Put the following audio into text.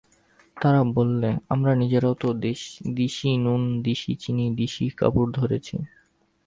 তারা বললে, আমরা নিজেরাও তো দিশি নুন দিশি চিনি দিশি কাপড় ধরেছি।